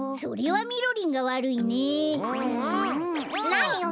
なによ！